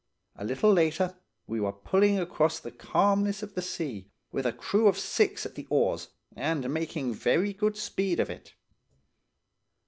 A little later we were pulling across the calmness of the sea with a crew of six at the oars, and making very good speed of it.